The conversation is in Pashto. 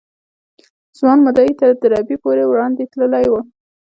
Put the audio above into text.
ځوان مدعي تر دربي پورې وړاندې تللی و.